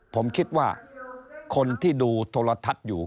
ผมคิดว่าคนที่ดูโทรทัศน์อยู่